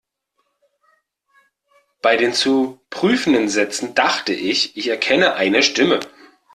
Bei den zu prüfenden Sätzen dachte ich, ich erkenne eine Stimme.